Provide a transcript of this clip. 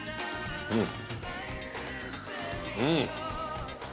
うん！